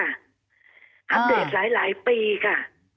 อัปเดตหลายปีค่ะ